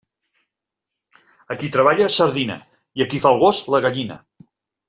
A qui treballa, sardina, i a qui fa el gos, la gallina.